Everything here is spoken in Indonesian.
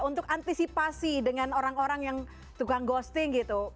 untuk antisipasi dengan orang orang yang tukang ghosting gitu